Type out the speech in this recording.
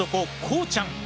こうちゃん。